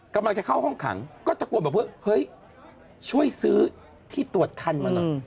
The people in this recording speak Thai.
กำลังจะเข้าห้องขังก็ตะโกนบอกว่าเฮ้ยช่วยซื้อที่ตรวจคันมาหน่อย